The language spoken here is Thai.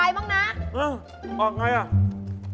ออกกำลังกายบ้างนะ